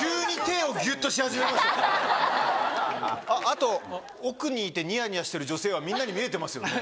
あと奥にいてニヤニヤしてる女性はみんなに見えてますよね？